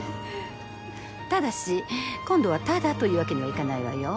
ただし今度はタダというわけにはいかないわよ。